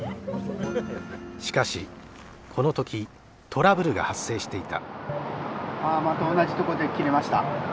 しかしこの時トラブルが発生していた。